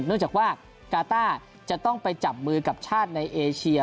เนื่องจากว่ากาต้าจะต้องไปจับมือกับชาติในเอเชีย